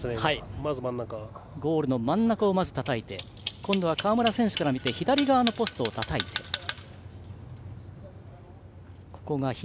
ゴールの真ん中をまずたたいて今度は川村選手から見て左側のポストをたたきました。